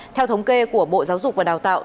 theo thống kê của bộ giáo dục và đào tạo